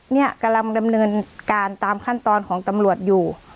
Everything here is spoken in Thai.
เนี่ยกำลังดำเนินการตามขั้นตอนของตำรวจอยู่